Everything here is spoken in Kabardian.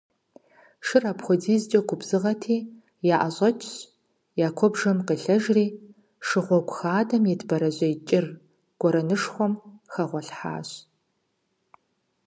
Шыр апхуэдизкӏэ губзыгъэти, яӏэщӏэкӏщ, я куэбжэм къелъэжри, шыгъуэгу хадэм ит бэрэжьей кӏыр гуэрэнышхуэм хэгъуэлъхьащ.